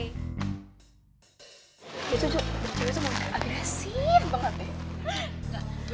tuh dia siap banget ya